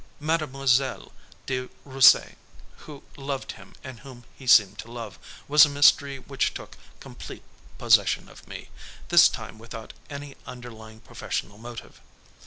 Mademoiselle de Russaie, who loved him and whom he seemed to love, was a mystery which took complete possession of me, this time without any underlying professional motive.